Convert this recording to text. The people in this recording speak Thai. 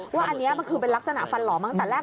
ว่าอันนี้มันคือเป็นลักษณะฟันหล่อมาตั้งแต่แรก